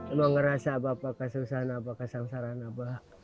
emang ngerasa apa apa kesusahan apa kesangsaran abah